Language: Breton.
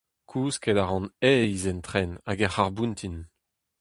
Kousket a ran aes en tren hag er c'harr-boutin.